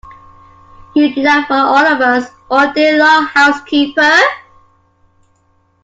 You do that for all of us, all day long, housekeeper!